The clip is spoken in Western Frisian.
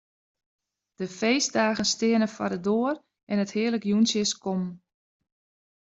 De feestdagen steane foar de doar en it hearlik jûntsje is kommen.